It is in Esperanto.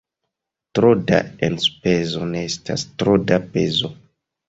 Tro da enspezo ne estas tro da pezo.